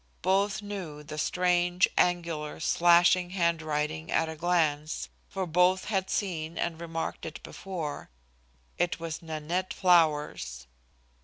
Both knew the strange, angular, slashing hand writing at a glance, for both had seen and remarked it before. It was Nanette Flower's.